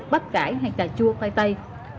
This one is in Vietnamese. bắp cải hay cà chua khoai tây